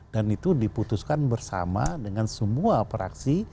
dan itu diputuskan bersama dengan semua praksi